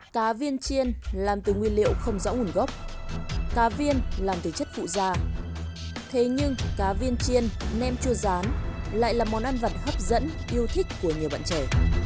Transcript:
cá viên chiên làm từ nguyên liệu không rõ nguồn gốc cá viên làm từ chất phụ da thế nhưng cá viên chiên nem chua rán lại là món ăn vặt hấp dẫn yêu thích của nhiều bạn trẻ